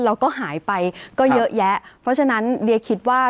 แล้วก็หายไปก็เยอะแยะเพราะฉะนั้นเดียคิดว่า